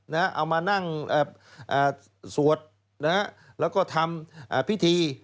เอามานั่งสวดนะฮะแล้วก็ทำพิธี